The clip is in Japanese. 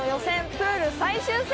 プール最終戦！